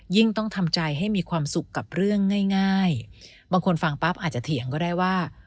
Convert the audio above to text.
ต้องทำใจให้มีความสุขกับเรื่องง่ายบางคนฟังปั๊บอาจจะเถียงก็ได้ว่า